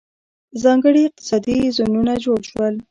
ځانګړي اقتصادي زونونه جوړ شول.